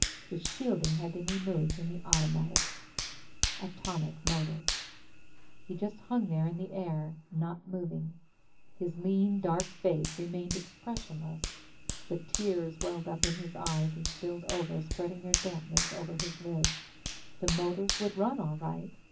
The shielding had been removed from the atomic motors. He just hung there in the air, not moving. His lean, dark face remained expressionless, but tears welled up in his eyes and spilled over, spreading their dampness over his lids. The motors would run, all right.